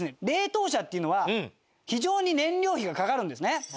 冷凍車っていうのは非常に燃料費がかかるんですね。